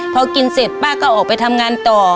พอกินเสร็จป้าก็ออกไปทำงานต่อ